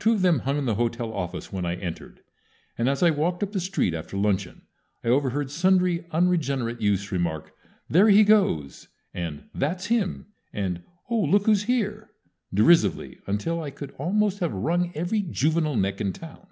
Two of them hung in the hotel office when I entered, and as I walked up the street after luncheon I overheard sundry unregenerate youths remark, "There he goes!" and "That's him!" and "Oh, look who's here!" derisively, until I could almost have wrung every juvenile neck in town.